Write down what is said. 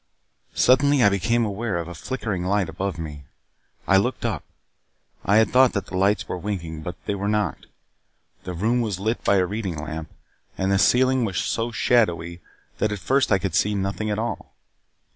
Suddenly I became aware of a flickering light above me. I looked up. I had thought that the lights were winking, but they were not. The room was lit by a reading lamp, and the ceiling was so shadowy that at first I could see nothing at all.